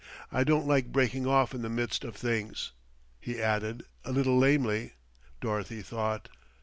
I don't like breaking off in the midst of things," he added, a little lamely, Dorothy thought.